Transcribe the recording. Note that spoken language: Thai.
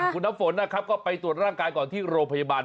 คุณน้ำฝนนะครับก็ไปตรวจร่างกายก่อนที่โรงพยาบาล